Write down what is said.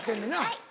はい。